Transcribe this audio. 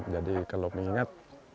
jadi kalau mengingat